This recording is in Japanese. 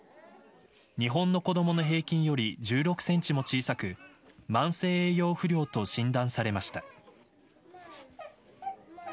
日本の子どもの平均より１６センチも小さく慢性栄養不良と診断されました。